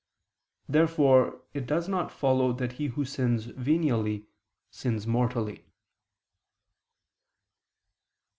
Therefore it does not follow that he who sins venially, sins mortally.